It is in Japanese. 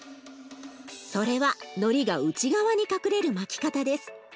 それはのりが内側に隠れる巻き方です。